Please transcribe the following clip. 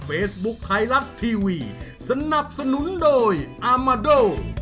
เฟซบุ๊คไทยรัฐทีวีสนับสนุนโดยอามาโด